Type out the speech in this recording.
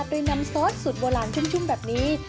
โดยนำซอสสูตรโบราณชุ่มแบบนี้